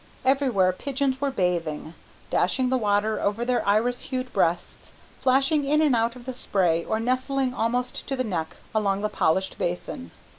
Everywhere pigeons were bathing, dashing the water over their iris hued breasts, flashing in and out of the spray or nestling almost to the neck along the polished basin.